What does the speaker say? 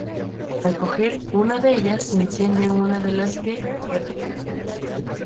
Al coger una de ellas se enciende una de las que queden.